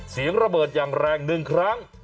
เสียงระเบิดอย่างแรง๑ครั้ง